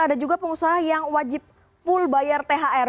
ada juga pengusaha yang wajib full bayar thr